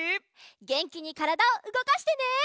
げんきにからだをうごかしてね！